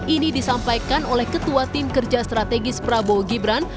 ini disampaikan oleh ketua tim kerja strategis prabowo gibran